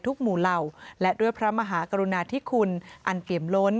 หมู่เหล่าและด้วยพระมหากรุณาธิคุณอันเกมล้น